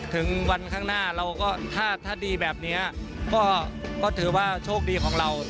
ถึงวันข้างหน้าเราก็ถ้าดีแบบนี้ก็ถือว่าโชคดีของเรา